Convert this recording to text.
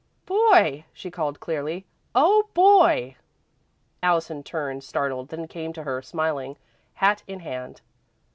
"Boy!" she called, clearly. "Oh, Boy!" Allison turned, startled, then came to her, smiling, hat in hand.